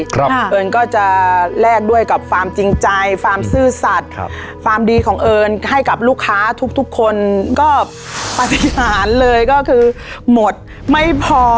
เอิญก็จะแลกด้วยกับความจริงใจความซื่อสัตว์ความดีของเอิญให้กับลูกค้าทุกทุกคนก็ปฏิหารเลยก็คือหมดไม่พอ